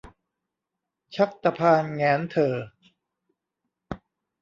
ชักตะพานแหงนเถ่อ